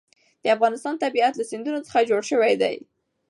د افغانستان طبیعت له سیندونه څخه جوړ شوی دی.